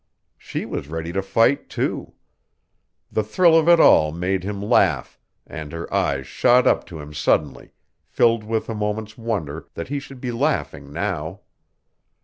She was ready to fight, too. The thrill of it all made him laugh, and her eyes shot up to him suddenly, filled with a moment's wonder that he should be laughing now.